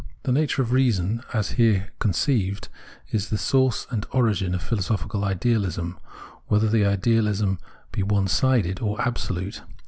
The nature of reason as here conceived is the source and origin of philosophical Idealism, whether the idealism be one sided or absolute.